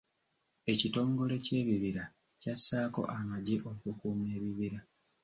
Ekitongole ky'ebibira kyassaako amagye okukuuma ebibira.